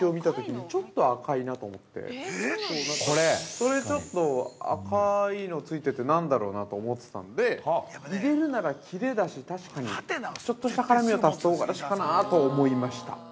◆それ、ちょっと赤いのついてて、何だろうなと思ってたんで、入れるならキレだし、確かに、ちょっとした辛みを足す唐がらしかなと思いました。